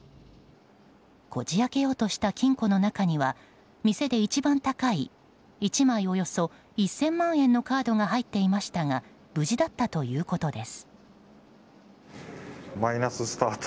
こじ開けようとした金庫の中には店で一番高い、１枚およそ１０００万円のカードが入っていましたが無事だったということです。